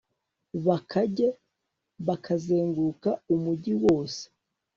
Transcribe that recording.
bakage ,bakazenguruka umugi wose